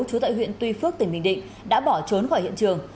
trú tại huyện tuy phước tỉnh bình định đã bỏ trốn khỏi hiện trường